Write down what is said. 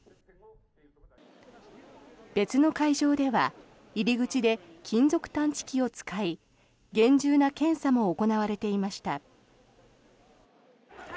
別の会場では入り口で金属探知機を使い厳重な検査も行われていました。